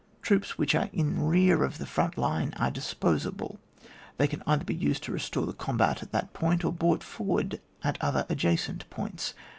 Troops which are in rear of the front line are disposable ; they can either be used to restore the combat at that point or be brought forward at other adjacent points.